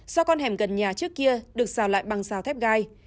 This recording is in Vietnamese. do con hẻm gần nhà trước kia được rào lại bằng xào thép gai